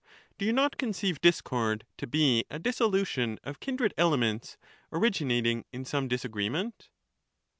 Do you not conceive discord to be a dissolution of kindred elements, originating in some disagreement